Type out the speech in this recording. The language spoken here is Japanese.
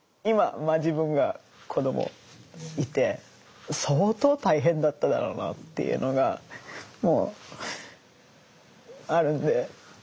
今自分が子どもいて相当大変だっただろうなっていうのがあるんで。